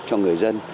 cho người dân